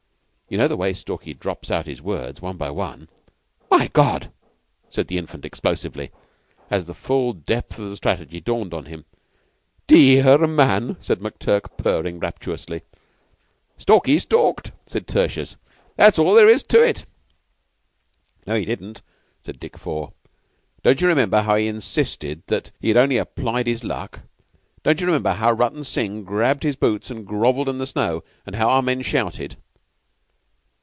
You know the way Stalky drops out his words, one by one." "My God!" said the Infant, explosively, as the full depth of the strategy dawned on him. "Dear r man!" said McTurk, purring rapturously. "Stalky stalked," said Tertius. "That's all there is to it." "No, he didn't," said Dick Four. "Don't you remember how he insisted that he had only applied his luck? Don't you remember how Rutton Singh grabbed his boots and grovelled in the snow, and how our men shouted?"